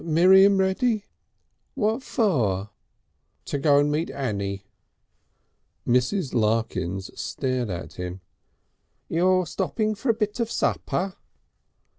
Miriam ready?" "What for?" "To go and meet Annie." Mrs. Larkins stared at him. "You're stopping for a bit of supper?"